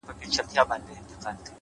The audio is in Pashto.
هوښیار انسان له فرصت مخکې چمتو وي.!